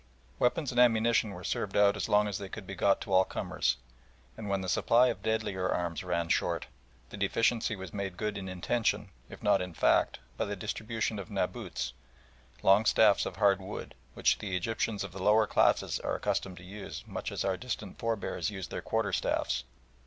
Weapons and ammunition were served out as long as they could be got to all comers, and when the supply of deadlier arms ran short, the deficiency was made good in intention, if not in fact, by the distribution of naboots, long staffs of hard wood, which the Egyptians of the lower classes are accustomed to use much as our distant forebears used their quarter staffs.